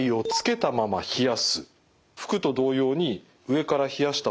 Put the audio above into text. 服と同様に上から冷やした方がいい